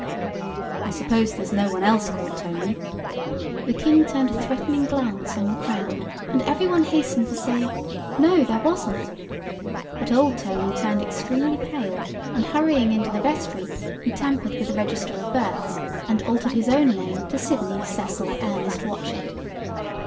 "I suppose there's no one else called Tony?" The King turned a threatening glance on the crowd, and every one hastened to say "No, there wasn't." But old Tony turned extremely pale, and hurrying into the vestry, he tampered with the register of births, and altered his own name to Sydney Cecil Ernest Watchett.